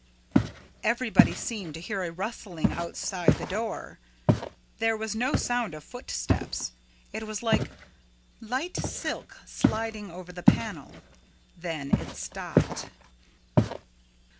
Everybody seemed to hear a rustling outside the door. There was no sound of footsteps. It was like light silk sliding over the panel. Then it stopped.